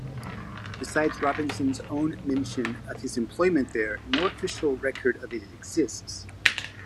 Besides Robinson's own mention of his employment there, no official record of it exists.